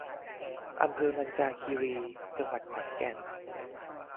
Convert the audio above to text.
อำเภอมัญจาคีรี จังหวัดขอนแก่น